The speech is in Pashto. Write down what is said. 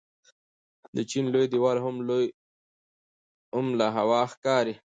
د چین لوی دیوال هم له هوا ښکاري.